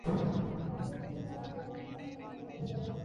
محافظه کار ګوند سخته ماته وخوړه.